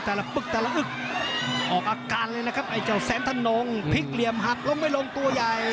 ปึกแต่ละอึกออกอาการเลยนะครับไอ้เจ้าแสนธนงพลิกเหลี่ยมหักล้มไม่ลงตัวใหญ่